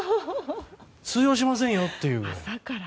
通用しませんよっていう。